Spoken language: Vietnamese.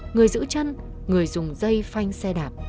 người giữ chân người dùng dây phanh xe đạp